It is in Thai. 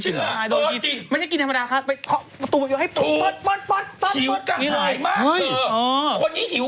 หรูปีนักขายก็เคยโดนกิน